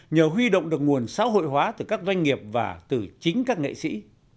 nhờ huy động được nguồn xã hội hóa từ các doanh nghiệp và từ chính các nghệ sĩ